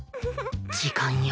時間よ